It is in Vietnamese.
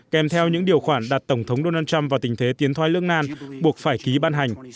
kèm theo những điều khoản đặt tổng thống donald trump vào tình thế tiến thoái lương nan buộc phải ký ban hành